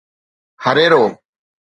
هريرو